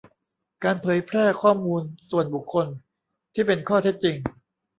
การเผยแพร่ข้อมูลส่วนบุคคลที่เป็นข้อเท็จจริง